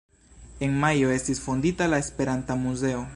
En Majo estis fondita la Esperanta Muzeo.